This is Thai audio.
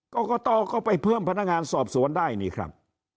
กรกตก็ไปเพิ่มพนักงานสอบสวนได้นี่ครับ